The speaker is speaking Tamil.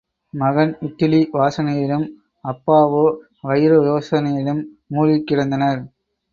மகன் இட்டிலி வாசனையிலும் அப்பாவோ வைரயோசனையிலும் மூழ்கிக் கிடந்தனர்.